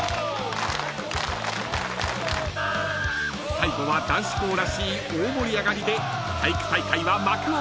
［最後は男子校らしい大盛り上がりで体育大会は幕を閉じた］